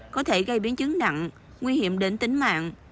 có thể gây biến chứng nặng nguy hiểm đến tính mạng